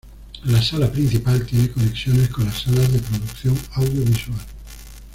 La sala principal tiene conexión con las salas de producción audiovisual.